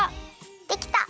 できた。